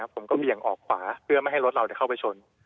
เบี่ยงออกขวาเพื่อไม่ให้รถเราเข้าไปชน